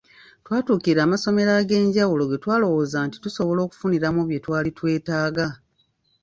Twatuukirira amasomero ag’enjawulo ge twalowooza nti tusobola okufuniramu bye twali twetaaga.